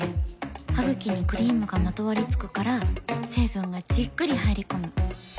ハグキにクリームがまとわりつくから成分がじっくり入り込む。